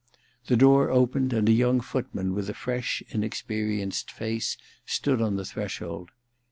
The door opened and a young footman with a fresh inexperienced face stood on the threshold.